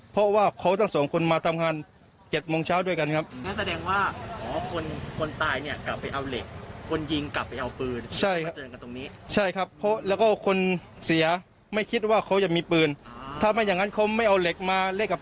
เพราะว่าเขาทั้งสองคนมาทำงาน๗โมงเช้าด้วยกันครับ